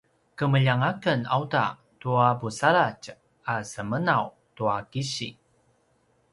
kemeljang aken auta tua pusaladj a semenaw tua kisi